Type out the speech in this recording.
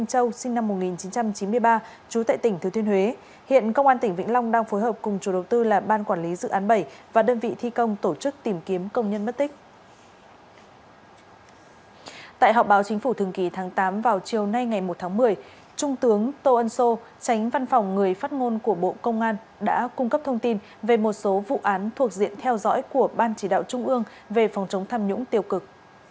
tránh văn phòng người phát ngôn của bộ công an đã cung cấp thông tin về một số vụ án thuộc diện theo dõi của ban chỉ đạo trung ương về phòng chống tham nhũng tiêu cực